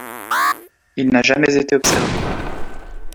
Il n'a jamais été observé.